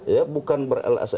ya bukan berelaburan